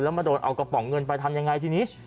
แล้วมาโดนเอากระป๋องเงินไปทำยังไงทีนี้